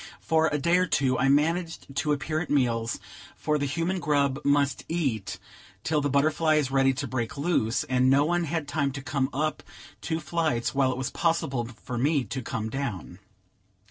For a day or two I managed to appear at meals; for the human grub must eat till the butterfly is ready to break loose, and no one had time to come up two flights while it was possible for me to come down.